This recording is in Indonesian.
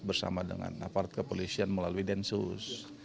bersama dengan aparat kepolisian melalui densus